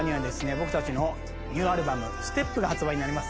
僕たちのニューアルバム『ＳＴＥＰ』が発売になります。